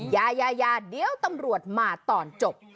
อย่าอย่าอย่าเดี๋ยวตำรวจมาตอนจบ